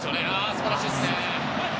素晴らしいですね！